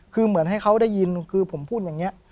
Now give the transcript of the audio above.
คือเหมือนให้เขาได้ยินคือผมพูดอย่างนี้